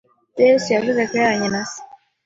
ibyo Yesu yavuze ku bihereranye na Se